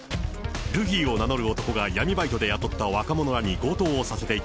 ルフィを名乗る男が闇バイトで雇った若者らに強盗をさせてい